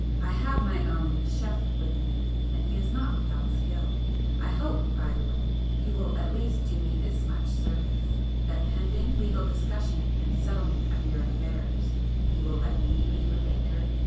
I have my own chef with me, and he is not without skill. I hope, by the way, you will at least do me this much service,—that pending legal discussion and settlement of your affairs, you will let me be your banker?"